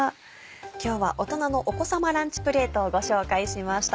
今日は「大人のお子さまランチプレート」をご紹介しました。